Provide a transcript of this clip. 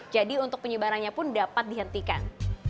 jadi untuk penyebarannya pun dapat dihentikan